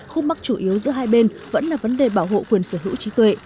khung mắt chủ yếu giữa hai bên vẫn là vấn đề bảo hộ quyền sở hữu trí tuệ